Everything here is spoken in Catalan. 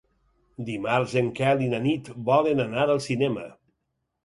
Dimarts en Quel i na Nit volen anar al cinema.